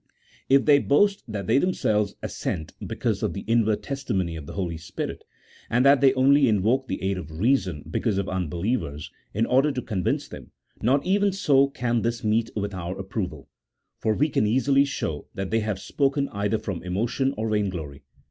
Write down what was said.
If they boast that they themselves assent because of the inward testimony of the Holy Spirit, and that they only invoke the aid of reason because of unbelievers, in order to convince them, not even so can this meet with our approval, for we can easily show that they have spoken either from emotion or vain glory.